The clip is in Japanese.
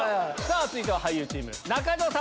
続いては俳優チーム中条さん。